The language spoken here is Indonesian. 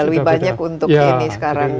lebih banyak untuk ini sekarang